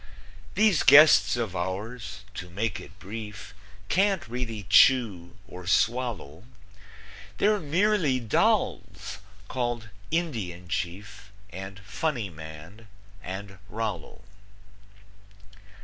These guests of ours, to make it brief, Can't really chew or swallow; They're merely dolls, called Indian Chief, And Funny Man, and Rollo.